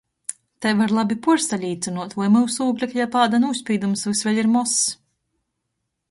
Tai var labi puorsalīcynuot, voi myusu ūglekļa pāda nūspīdums vys vēļ ir mozs.